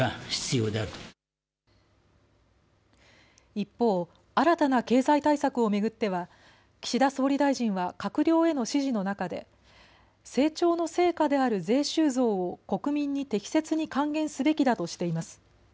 一方、新たな経済対策を巡っては岸田総理大臣は閣僚への指示の中で成長の成果である税収増を国民に適切に還元すべきだとしています。